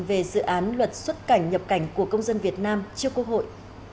về dự án luật xuất cảnh nhập cảnh của công dân việt nam trước quốc hội